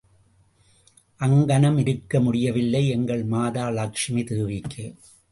அங்கனம் இருக்க முடியவில்லை எங்கள் மாதா லக்ஷ்மி தேவிக்கு.